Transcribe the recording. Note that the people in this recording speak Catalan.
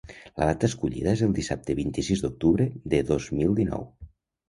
La data escollida és el dissabte vint-i-sis d’octubre de dos mil dinou.